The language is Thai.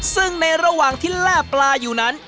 ซึ่งในระหว่างที่แล่ปลาอยู่นั้น